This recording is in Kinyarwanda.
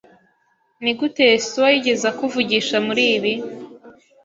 Nigute Yesuwa yigeze akuvugisha muribi?